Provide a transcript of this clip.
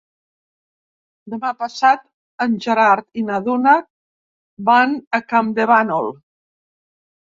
Demà passat en Gerard i na Duna van a Campdevànol.